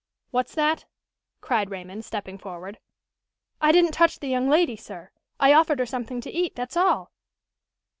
"What's that?" cried Raymond, stepping forward. "I didn't touch the young lady, sir. I offered her something to eat, that's all."